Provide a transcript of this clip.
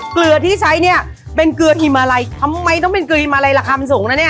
เกลือที่ใช้เนี่ยเป็นเกลือทิมอะไรทำไมต้องเป็นเกลือมอะไรราคามันสูงนะเนี่ย